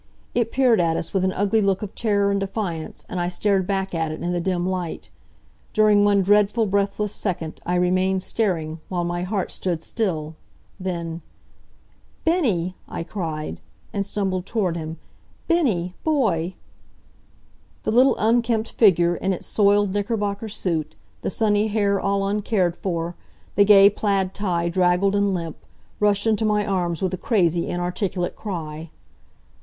It peered at us with an ugly look of terror and defiance, and I stared back at it, in the dim light. During one dreadful, breathless second I remained staring, while my heart stood still. Then "Bennie!" I cried. And stumbled toward him. "Bennie boy!" The little unkempt figure, in its soiled knickerbocker suit, the sunny hair all uncared for, the gay plaid tie draggled and limp, rushed into my arms with a crazy, inarticulate cry.